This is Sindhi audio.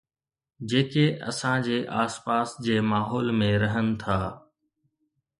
جيڪي اسان جي آس پاس جي ماحول ۾ رهن ٿا